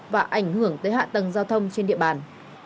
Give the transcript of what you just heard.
và ảnh hưởng tới hạ tầng giao thông trên địa bàn